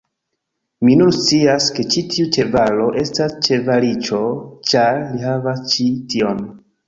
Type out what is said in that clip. Mi nun scias, ke ĉi tiu ĉevalo estas ĉevaliĉo ĉar li havas ĉi tion!